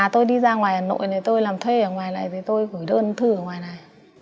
thế ở ngoài này thì tôi gửi đơn thư ở ngoài này